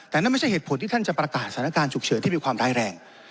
แต่นั่นไม่ใช่เหตุผลที่ท่านจะประกาศสถานการณ์ฉุกเฉินที่มีความร้ายแรง